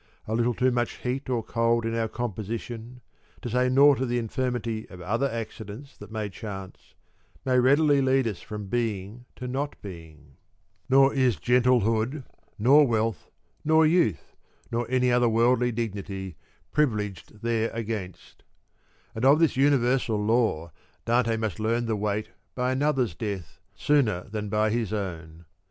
A little too much heat or cold in our composition (to say nought of the infinity of other accidents that may chance) may readily lead us from being to not being ; nor is gentlehood, nor wealth, nor youth, nor any other worldly dignity, privileged thereagainst ; and of this universal law Dante must learn the weight by another's death sooner than by his own.